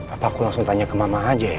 apa aku langsung tanya ke mama aja ya